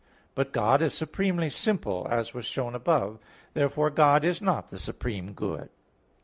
But God is supremely simple; as was shown above (Q. 3, A. 7). Therefore God is not the supreme good.